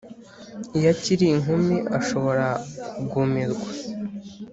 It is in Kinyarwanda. iyo akiri inkumi, ashobora kugumirwa,